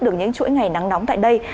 được những chuỗi ngày nắng nóng tại đây